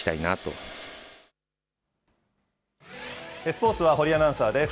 スポーツは堀アナウンサーです。